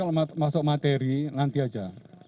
karena nanti kalau masuk materi nanti aja